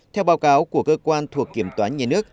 theo báo cáo của cơ quan thuộc kiểm toán nhà nước